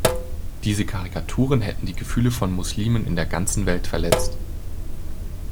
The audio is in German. Diese Karikaturen hätten die Gefühle von Muslimen in der ganzen Welt verletzt.